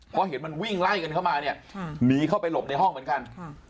เพราะเห็นมันวิ่งไล่กันเข้ามาเนี่ยหนีเข้าไปหลบในห้องเหมือนกัน